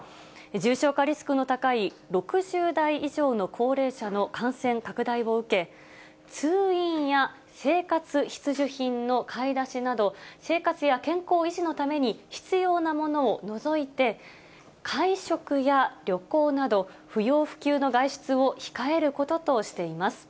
重症化リスクの高い６０代以上の高齢者の感染拡大を受け、通院や生活必需品の買い出しなど、生活や健康維持のために必要なものを除いて、会食や旅行など、不要不急の外出を控えることとしています。